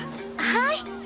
はい！